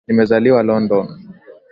Nimezaliwa London